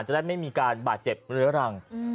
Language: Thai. จะได้ไม่มีการบาดเจ็บเรื้อรัง